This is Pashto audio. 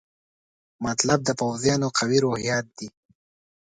مطلب د پوځیانو قوي روحیات دي.